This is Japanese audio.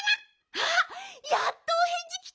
あっやっとおへんじきた。